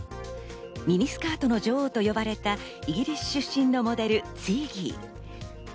ミニスカートの女王と呼ばれたイギリス出身のモデル、ツイッギー。